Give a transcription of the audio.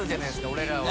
俺らは。